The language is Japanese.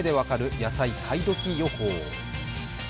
“野菜買いドキ予報”」。